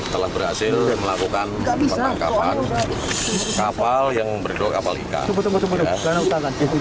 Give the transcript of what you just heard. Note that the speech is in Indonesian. telah berhasil melakukan penangkapan kapal yang berdua kapal ikan